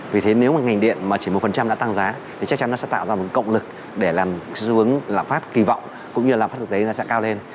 vì thế nếu mà ngành điện mà chỉ một đã tăng giá thì chắc chắn nó sẽ tạo ra một cộng lực để làm xu hướng lạm phát kỳ vọng cũng như lạm phát thực tế nó sẽ cao lên